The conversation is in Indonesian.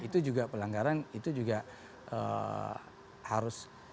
itu juga pelanggaran itu juga harus